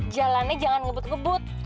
jalannya jangan ngebut ngebut